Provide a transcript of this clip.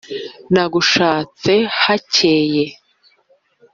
Nagushatse hakeye,